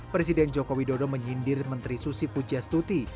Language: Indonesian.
presiden joko widodo menyindir menteri susi pujastuti